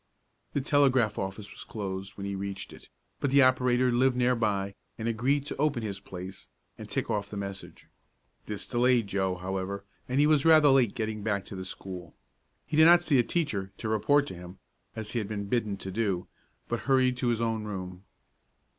The telegraph office was closed when he reached it, but the operator lived near by, and agreed to open his place, and tick off the message. This delayed Joe, however, and he was rather late getting back to the school. He did not see a teacher to report to him, as he had been bidden to do, but hurried to his own room.